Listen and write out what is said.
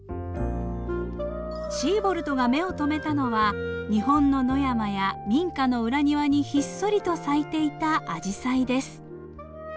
シーボルトが目を留めたのは日本の野山や民家の裏庭にひっそりと咲いていたアジサイです。